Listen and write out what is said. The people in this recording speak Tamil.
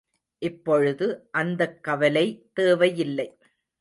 இப்பொழுது அந்தக் கவலை தேவையில்லை.